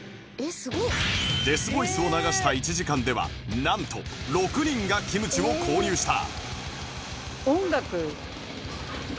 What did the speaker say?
デスボイスを流した１時間ではなんと６人がキムチを購入した